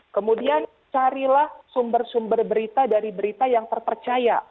kemudian carilah sumber sumber berita dari berita yang terpercaya